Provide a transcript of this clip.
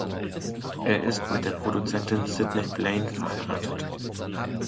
Er ist mit der Produzentin Sydney Blaine verheiratet.